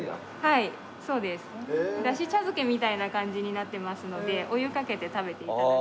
はいそうです。だし茶漬けみたいな感じになってますのでお湯かけて食べていただく。